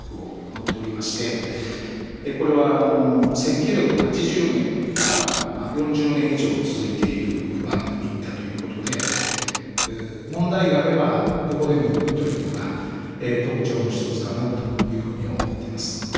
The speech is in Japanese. これは１９８０年から４０年以上続いている番組だということで問題があればどこでも行くというのが特徴の一つかなというふうに思ってます。